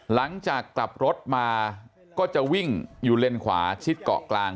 หลังจากกลับรถมาก็จะวิ่งอยู่เลนขวาชิดเกาะกลาง